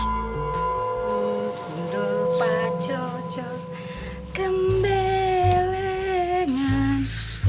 uduh pacocok kembelengan